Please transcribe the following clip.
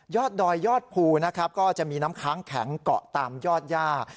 ดอยยอดภูนะครับก็จะมีน้ำค้างแข็งเกาะตามยอดย่า